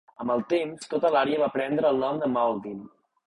Amb el temps, tota l'àrea va prendre el nom de Mauldin.